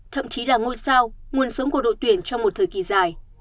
thậm chí là ngôi sao nguồn sống của đội tuyển trong một thời kỳ dài